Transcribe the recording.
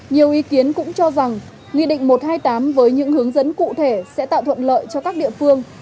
nhiều ý kiến cũng cho rằng nghị định một trăm hai mươi tám với những hướng dẫn cụ thể sẽ tạo thuận lợi cho các địa phương